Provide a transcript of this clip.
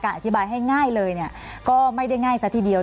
อธิบายให้ง่ายเลยเนี่ยก็ไม่ได้ง่ายซะทีเดียว